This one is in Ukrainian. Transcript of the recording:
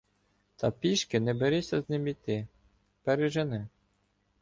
Та пішки не берися з ним іти — пережене.